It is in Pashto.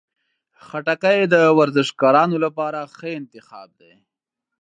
خټکی د ورزشکارانو لپاره ښه انتخاب دی.